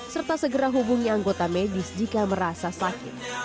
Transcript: serta segera hubungi anggota medis jika merasa sakit